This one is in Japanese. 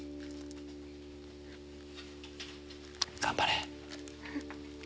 頑張れ！